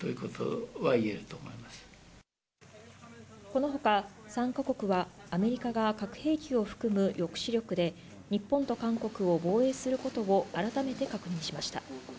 この他、３か国はアメリカが核兵器を含む抑止力で日本と韓国を防衛することをあらためて確認しました。